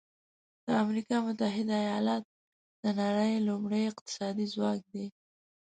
د امریکا متحده ایالات د نړۍ لومړی اقتصادي ځواک دی.